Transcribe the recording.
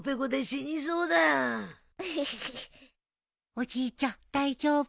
おじいちゃん大丈夫？